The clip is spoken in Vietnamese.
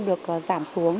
được giảm xuống